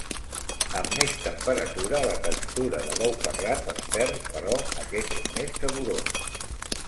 Amb més temperatura la textura de l'ou ferrat es perd però aquest és més saborós.